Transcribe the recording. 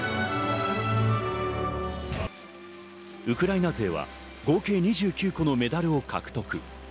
ウクライナ勢は合計２９個のメダルを獲得。